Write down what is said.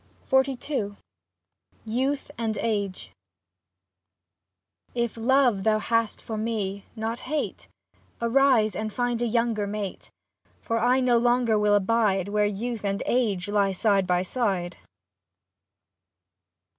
47 XLII YOUTH AND AGE If love thou hast for me, not hate, Arise and find a younger mate ; For I no longer will abide Where youth and age lie side by side.